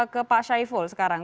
ke pak syaiful sekarang